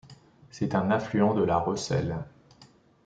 C'est un affluent de la Reusel.